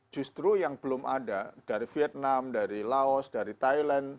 justru yang belum ada dari vietnam dari laos dari thailand